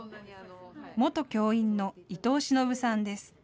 元教員の伊藤忍さんです。